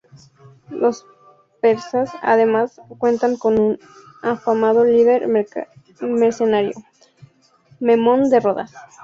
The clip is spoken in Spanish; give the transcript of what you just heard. Los persas, además, cuentan con un afamado líder mercenario: Memnón de Rodas.